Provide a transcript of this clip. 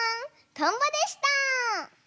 トンボでした！